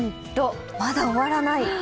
まだ終わらない。